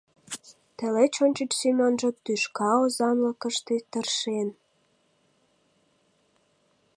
Тылеч ончыч Семёнжо тӱшка озанлыкыште тыршен.